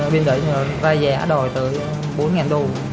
bên đời ra giá đòi tới bốn nghìn đô